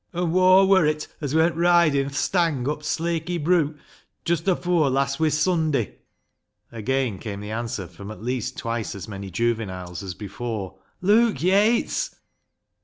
"An' whoa wur it as went riding th' stang up Slakey Broo just afoor last Wis sunday ?" Again came the answer from at least twice as many juveniles as before —" Luke Yates."